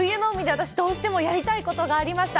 私、どうしてもやりたいことがありました。